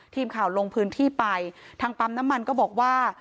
ทีมข่าวลงพื้นที่ไปทางปั๊มน้ำมันก็บอกว่า